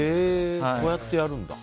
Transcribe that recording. こうやってやるんだ。